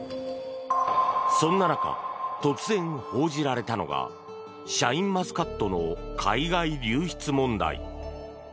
そんな中、突然報じられたのがシャインマスカットの海外流出問題。